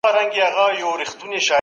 او د مرکې لپاره منتظر